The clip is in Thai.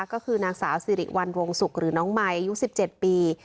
ก็คือนางสาวสิริวัลวงศุกร์หรือน้องมายอายุ๑๗ปี